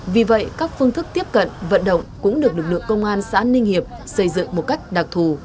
vì vậy các phương thức tiếp cận vận động cũng được lực lượng công an xã ninh hiệp xây dựng một cách đặc thù